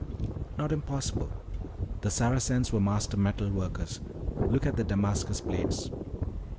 "Not impossible. The Saracens were master metal workers. Look at the Damascus blades."